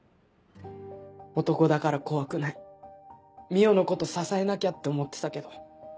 男だから怖くない澪のこと支えなきゃって思ってたけど。